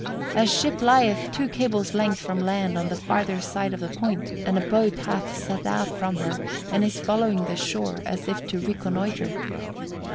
"A ship lieth two cable's lengths from land on the farther side of the point, and a boat hath set out from her and is following the shore as if to reconnoitre."